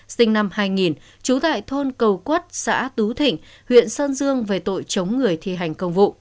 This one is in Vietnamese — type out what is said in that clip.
sinh năm hai nghìn trú tại thôn cầu quất xã tú thịnh huyện sơn dương về tội chống người thi hành công vụ